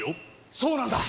そうなんだ！